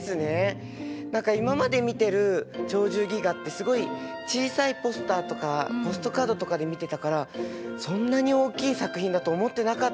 何か今まで見てる「鳥獣戯画」ってすごい小さいポスターとかポストカードとかで見てたからそんなに大きい作品だと思ってなかったです。